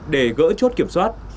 để gỡ chốt kiểm soát